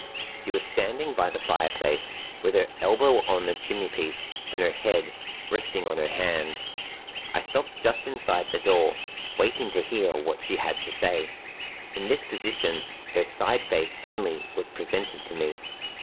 She was standing by the fire place, with her elbow on the chimney piece, and her head, resting on her hand. I stopped just inside the door, waiting to hear what she had to say. In this position her side face only was presented to me.